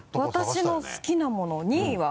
私の好きなもの２位は。